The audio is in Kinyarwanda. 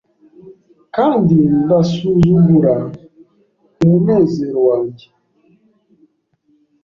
kandi ndasuzugura umunezero wanjye